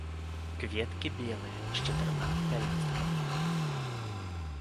Кветкі белыя, з чатырма пялёсткамі.